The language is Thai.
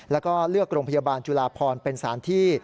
แล้วก็เลือกโรงพยาบาลจุลาพรเป็นสารที่